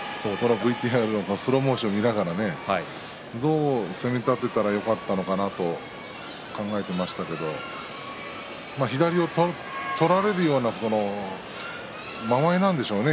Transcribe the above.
本当に、苦手なんだなとスローモーションを見ながらどう攻めたてたらよかったのか考えていましたけども左を取られるような間合いなんでしょうね。